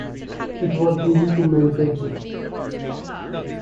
It was easy to maintain, too.